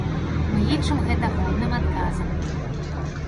Мы лічым гэта годным адказам.